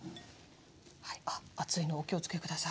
あっ熱いのお気をつけ下さい。